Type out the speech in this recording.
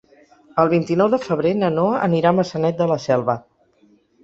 El vint-i-nou de febrer na Noa anirà a Maçanet de la Selva.